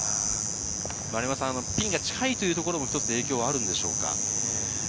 ピンが近いというところ、１つ影響はあるんでしょうか？